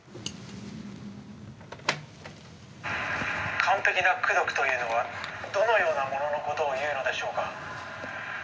完璧な功徳というのはどのようなもののことをいうのでしょうか？